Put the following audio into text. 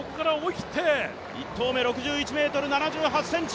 １投目、６１ｍ７８ｃｍ。